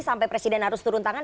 sampai presiden harus turun tangan